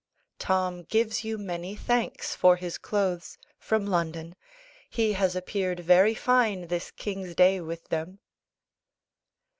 Tom gives you many thanks for his clothes (from London). He has appeared very fine this King's day with them.